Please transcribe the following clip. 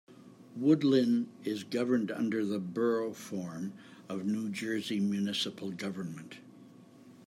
Woodlynne is governed under the Borough form of New Jersey municipal government.